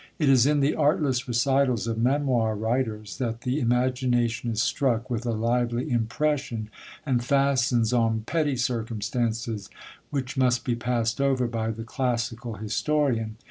It is in the artless recitals of memoir writers, that the imagination is struck with a lively impression, and fastens on petty circumstances, which must be passed over by the classical historian.